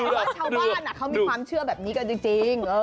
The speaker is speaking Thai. ว่าชาวบ้านเขามีความเชื่อแบบนี้กันจริง